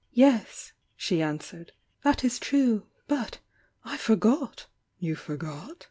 "Yes," she answered— "That is true. But^I for got!" "You forgot?"